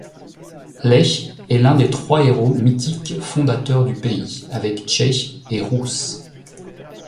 Lech est l'un des trois héros mythiques fondateurs du pays, avec Tchech et Rous.